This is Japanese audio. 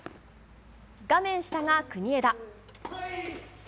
画面下が国枝。